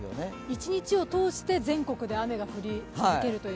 一日を通して全国で雨が降り続けると。